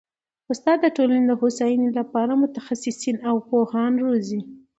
استاد د ټولني د هوسايني لپاره متخصصین او پوهان روزي.